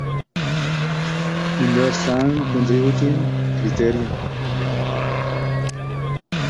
Con su colección Electra, acabó centrándose en la literatura de quiosco.